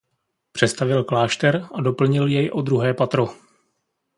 Přestavěl Klášter a doplnil jej o druhé patro.